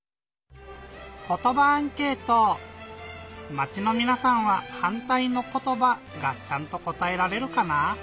まちのみなさんは「はんたいのことば」がちゃんとこたえられるかな？